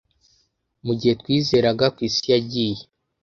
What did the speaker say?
'Mugihe twizeraga, ku isi yagiye,